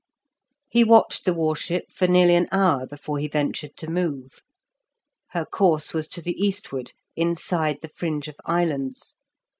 He watched the war ship for nearly an hour before he ventured to move. Her course was to the eastward, inside the fringe of islands.